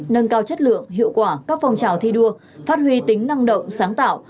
nâng cao chất lượng hiệu quả các phong trào thi đua phát huy tính năng động sáng tạo